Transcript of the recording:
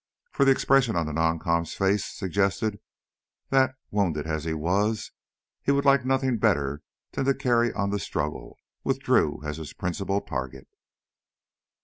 For the expression on the noncom's face suggested that, wounded as he was, he would like nothing better than to carry on the struggle with Drew as his principal target.